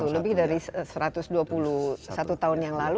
lebih dari satu ratus dua puluh satu tahun yang lalu